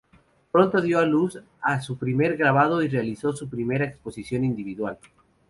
Pronto dio a luz su primer grabado y realizó su primera exposición individual.